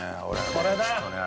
これだ。